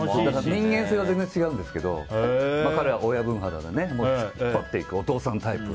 人間性は全然違うんですけど彼は親分肌で引っ張っていくお父さんタイプ。